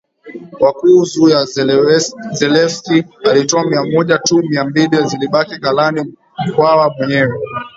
wake juu ya Zelewski alitoa mia moja tu mia mbili zilibaki ghalani Mkwawa mwenyewe